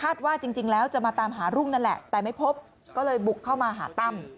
ว่าจริงแล้วจะมาตามหารุ่งนั่นแหละแต่ไม่พบก็เลยบุกเข้ามาหาตั้ม